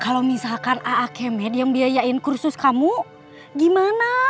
kalau misalkan a a k m d yang biayain kursus kamu gimana